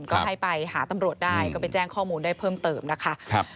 ก็ให้ไปหาตำรวจได้ก็ไปแจ้งข้อมูลได้เพิ่มเติมนะคะ